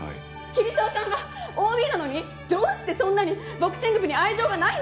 桐沢さんがＯＢなのにどうしてそんなにボクシング部に愛情がないのか！